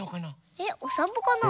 えっおさんぽかな？